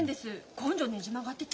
根性ねじ曲がってて。